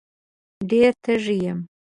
ډېره تږې یم